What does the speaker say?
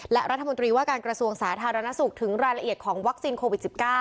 และรัฐมนตรีว่าการกระทรวงสาธารณสุขถึงรายละเอียดของวัคซีนโควิด๑๙